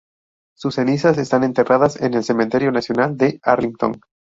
Sus cenizas están enterradas en el Cementerio Nacional de Arlington.